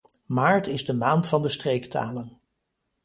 Maart is de maand van de streektalen.